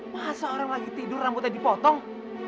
masa orang lagi tidur rambutnya dipotong